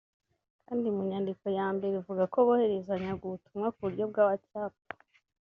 kandi mu nyandiko ya mbere ivuga ko bohererezanyaga ubutumwa ku buryo bwa WhatsApp